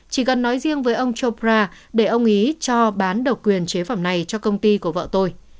chỉ cần nói riêng với ông cho pra để ông ý cho bán độc quyền chế phẩm này cho công ty của vợ tôi